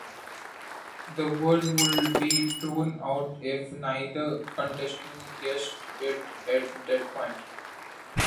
The word would be thrown out if neither contestant guessed it at that point.